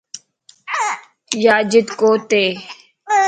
ياجڍ ڪوتي